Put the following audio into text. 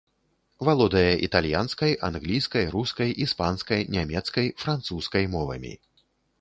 Валодае італьянскай, англійскай, рускай, іспанскай, нямецкай, французскай мовамі.